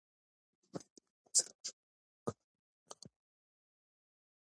که میندې یو بل سره مشوره وکړي نو کار به نه وي خراب.